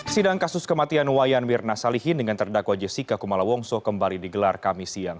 sidang kasus kematian wayan mirna salihin dengan terdakwa jessica kumala wongso kembali digelar kami siang